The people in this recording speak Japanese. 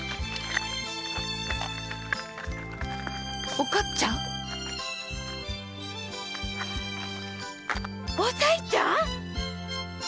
おかつちゃん⁉おさいちゃん